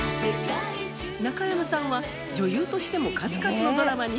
中山さんは女優としても数々のドラマに主演。